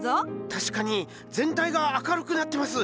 確かに全体が明るくなってます。